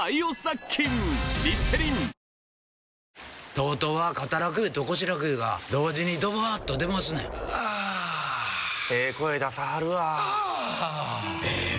ＴＯＴＯは肩楽湯と腰楽湯が同時にドバーッと出ますねんあええ声出さはるわあええ